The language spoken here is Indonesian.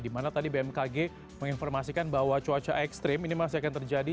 dimana tadi bmkg menginformasikan bahwa cuaca ekstrim ini masih akan terjadi